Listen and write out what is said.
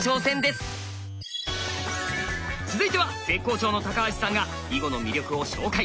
続いては絶好調の橋さんが囲碁の魅力を紹介！